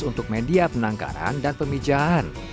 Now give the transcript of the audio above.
untuk media penangkaran dan pemijahan